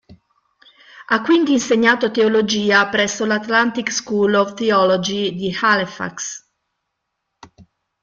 Ha quindi insegnato teologia presso la Atlantic School of Theology di Halifax.